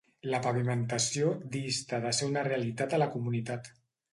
La pavimentació dista de ser una realitat a la comunitat.